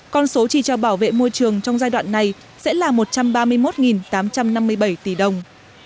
con số chi cho bảo vệ môi trường trong giai đoạn này sẽ là một trăm ba mươi một tám trăm năm mươi bảy tỷ đồng